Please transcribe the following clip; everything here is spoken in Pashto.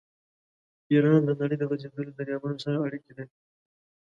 ایران د نړۍ د غځېدلو دریابونو سره اړیکې لري.